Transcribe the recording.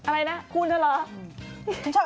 อะไรนะพูดเถอะหรอ